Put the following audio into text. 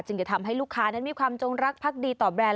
จะทำให้ลูกค้านั้นมีความจงรักพักดีต่อแบรนด